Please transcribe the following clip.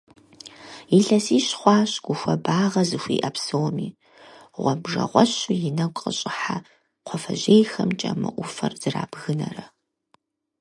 Илъэсищ хъуащ гу хуабагъэ зыхуиӏэ псоми, гъуабжэгъуэщу и нэгу къыщӏыхьэ кхъуафэжьейхэмкӏэ мы ӏуфэр зэрабгынэрэ.